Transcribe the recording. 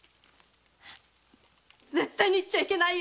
絶対に行っちゃいけない。